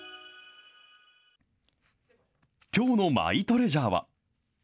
きょうのマイトレジャーは。